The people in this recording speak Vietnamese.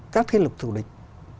các thiên lực thủ địch